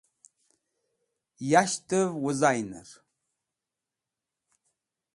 Yashtev Wizainer